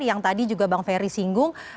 yang tadi juga bang ferry singgung